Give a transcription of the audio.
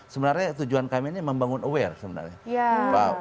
sebenarnya tujuan kami ini membangun aware sebenarnya